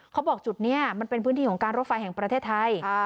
เขาบอกจุดนี้มันเป็นพื้นที่ของการรถไฟแห่งประเทศไทย